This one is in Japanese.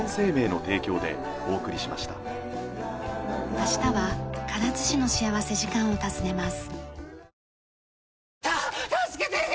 明日は唐津市の幸福時間を訪ねます。